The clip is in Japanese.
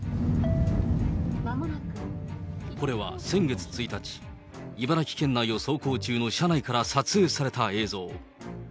これは先月１日、茨城県内を走行中の車内から撮影された映像。